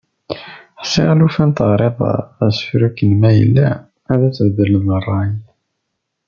Ḥsiɣ lufan teɣriḍ asefru akken ma yella, ad tbeddleḍ rray.